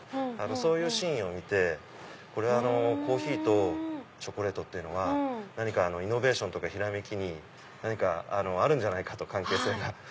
そういうシーンを見てコーヒーとチョコレートってイノベーションとかひらめきに何かあるんじゃないかと関係性が。